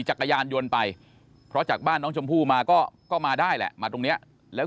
จักรยานยนต์ไปเพราะจากบ้านน้องชมพู่มาก็มาได้แหละมาตรงเนี้ยแล้ว